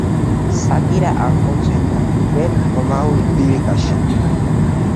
სატირა აღმოცენდა ძველ რომაულ ლირიკაში.